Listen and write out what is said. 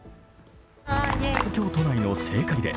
東京都内の聖火リレー。